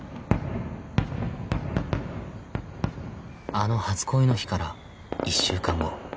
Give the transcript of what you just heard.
あの初恋の日から１週間後